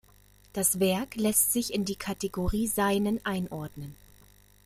Das Werk lässt sich in die Kategorie Seinen einordnen.